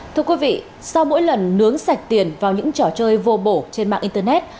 thưa quý vị sau mỗi lần nướng sạch tiền vào những trò chơi vô bổ trên mạng internet